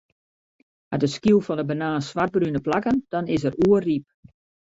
Hat de skyl fan 'e banaan swartbrune plakken, dan is er oerryp.